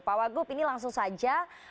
pak wagub ini langsung saja